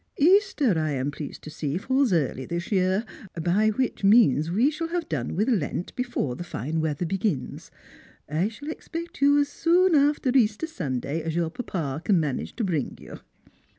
Easter, I am pleased to see, falls early this year, by which means we shall have done with Lent before the fin« M eat?ier begins. I shall expect you as soon after Easter Sunday' as your papa can manage to bring you."